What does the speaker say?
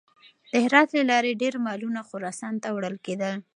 د هرات له لارې ډېر مالونه خراسان ته وړل کېدل.